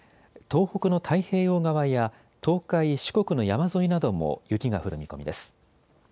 東北の太平洋側や東海、四国の山沿いなども雪が降る見込みです。